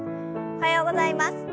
おはようございます。